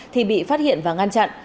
thì bị phát hiện và ngăn chặn